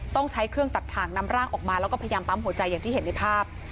ต้องใช้เครื่องตัดถ่างนำร่างออกมาแล้วก็พยายามปั๊มหัวใจอย่างที่เห็นในภาพ